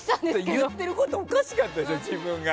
言ってることおかしかったよ。